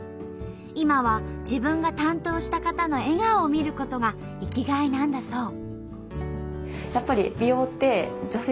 今は自分が担当した方の笑顔を見ることが生きがいなんだそう。